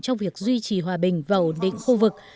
trong việc duy trì hòa bình và ổn định khu vực